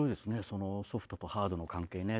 そのソフトとハードの関係ね。